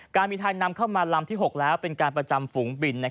การบินไทยนำเข้ามาลำที่๖แล้วเป็นการประจำฝูงบิน